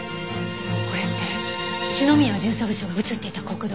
これって篠宮巡査部長が映っていた国道。